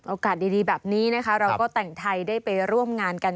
โอกาสดีแบบนี้นะคะเราก็แต่งไทยได้ไปร่วมงานกัน